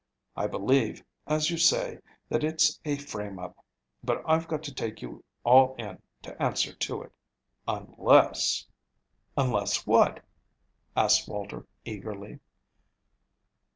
I believe, as you say, that it's a frame up, but I've got to take you all in to answer to it, unless " "Unless what?" asked Walter eagerly.